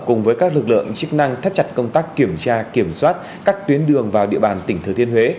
cùng với các lực lượng chức năng thắt chặt công tác kiểm tra kiểm soát các tuyến đường vào địa bàn tỉnh thừa thiên huế